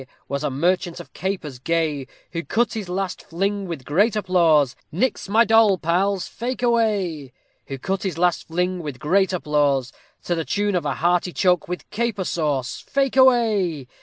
_ Was a merchant of capers gay, Who cut his last fling with great applause, Nix my doll pals, fake away. Who cut his last fling with great applause, To the tune of a "hearty choke with caper sauce." _Fake away.